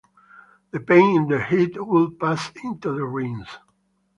The pain in the head would pass into the rings.